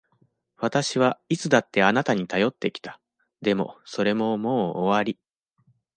私はいつだってあなたに頼ってきた。でも、それももう終わり。